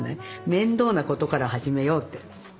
「面倒なことから始めよう」って。